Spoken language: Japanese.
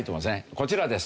こちらです。